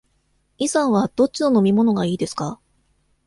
イさんはどっちの飲み物がいいですか。